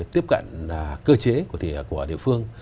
tiếp cận cơ chế của địa phương